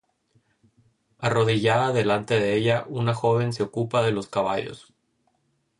Arrodillada delante de ella, una joven se ocupa de los caballos.